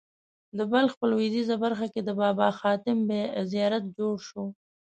د بلخ په لوېدیځه برخه کې د بابا حاتم زیارت جوړ شو.